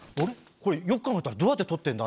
これよく考えたらどうやって撮ってるんだ？